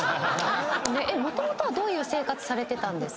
もともとはどういう生活されて？